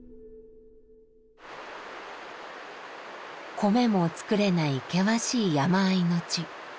米も作れない険しい山あいの地。